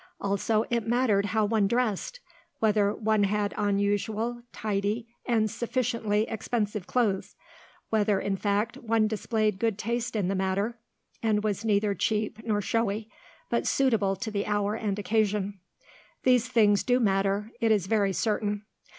Also it mattered how one dressed; whether one had on usual, tidy, and sufficiently expensive clothes; whether, in fact, one displayed good taste in the matter, and was neither cheap nor showy, but suitable to the hour and occasion. These things do matter, it is very certain.